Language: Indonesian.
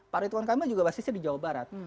pak ridwan kamil juga basisnya di jawa barat